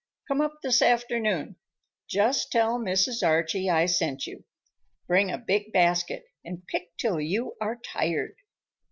Come up this afternoon. Just tell Mrs. Archie I sent you. Bring a big basket and pick till you are tired."